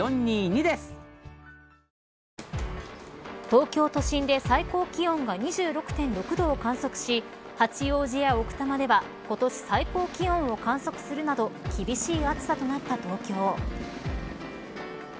東京都心で最高気温が２６．６度を観測し八王子や奥多摩では今年最高気温を観測するなど厳しい暑さとなった東京。